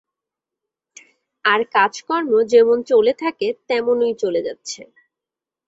আর কাজ-কর্ম যেমন চলে থাকে, তেমনই চলে যাচ্ছে।